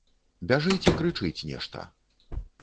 Бяжыць і крычыць нешта.